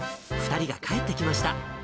２人が帰ってきました。